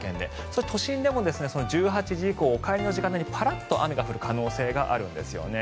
そして都心でも１８時以降、お帰りの時間帯にパラッと雨が降る可能性があるんですよね。